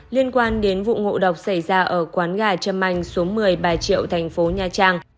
liên quan đến vụ ngộ độc xảy ra ở quán gà trâm anh số một mươi bà triệu thành phố nha trang